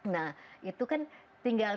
nah itu kan tinggal